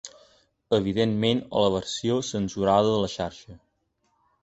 Evidentment a la versió censurada de la xarxa.